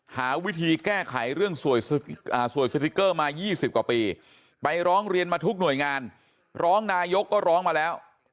หาวิธีแก้ไขเรื่องสวยสติ๊กเกอร์มา๒๐กว่าปีไปร้องเรียนมาทุกหน่วยงานร้องนายกก็ร้องมาแล้ว